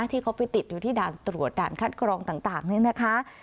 ที่เขาไปติดอยู่ที่ด่านตรวจด่านคัดกรองต่างนี่นะคะ